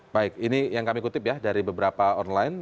baik ini yang kami kutip ya dari beberapa online